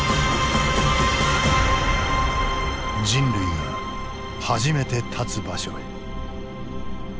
人類が初めて立つ場所へ。